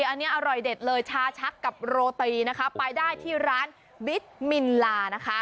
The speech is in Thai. อันนี้อร่อยเด็ดเลยชาชักกับโรตีนะคะไปได้ที่ร้านบิดมินลานะคะ